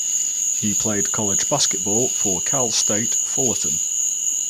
He played college basketball for Cal State Fullerton.